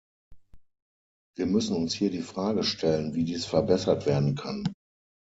Wir müssen uns hier die Frage stellen, wie dies verbessert werden kann.